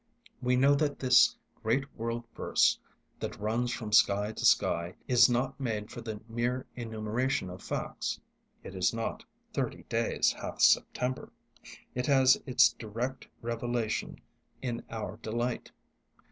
We know that this great world verse, that runs from sky to sky, is not made for the mere enumeration of facts—it is not "Thirty days hath September"—it has its direct revelation in our delight.